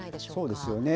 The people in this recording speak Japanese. そうですよね。